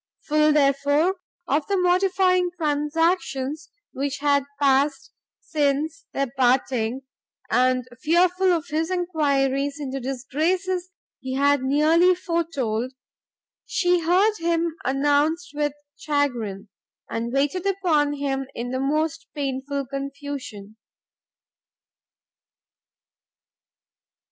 Full, therefore, of the mortifying transactions which had passed since their parting, and fearful of his enquiries into disgraces he had nearly foretold, she heard him announced with chagrin, and waited upon him in the most painful confusion.